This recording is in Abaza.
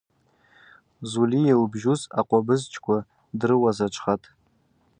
Зульи йылбжьуз акъвабызчква дрыуазаджвхатӏ.